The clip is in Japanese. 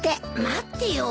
待ってよ。